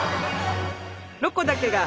「ロコだけが」。